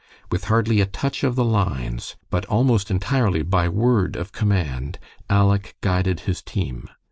With hardly a touch of the lines, but almost entirely by word of command, Aleck guided his team.